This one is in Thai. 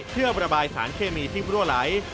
เพื่อระบายสารเคมีที่รั่วไหล